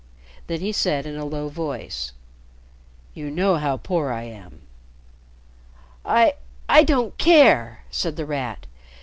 Then he said in a low voice, "You know how poor I am." "I I don't care!" said The Rat.